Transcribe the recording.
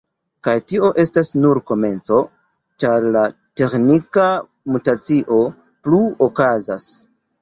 Kaj tio estas nur komenco, ĉar la teĥnika mutacio plu okazas.